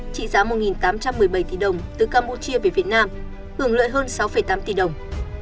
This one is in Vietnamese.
trị giá một tám trăm một mươi bảy tỷ đồng từ campuchia về việt nam hưởng lợi hơn sáu tám tỷ đồng